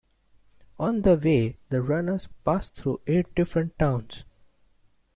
On their way the runners pass through eight different towns.